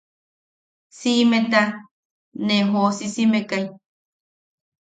Siimeta ne joʼosisimekai.